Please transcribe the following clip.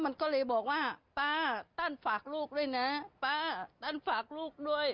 มันก็เลยบอกว่าป้าตั้นฝากลูกด้วยนะป้าตั้นฝากลูกด้วย